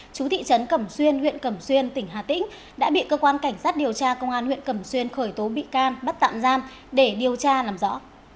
chú thị trấn cẩm xuyên huyện cẩm xuyên tỉnh hà tĩnh đã bị cơ quan cảnh sát điều tra công an huyện cẩm xuyên khởi tố bị can bắt tạm giam để điều tra làm rõ